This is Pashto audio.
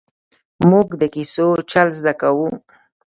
ـ مونږ د کیسو چل زده کاوه!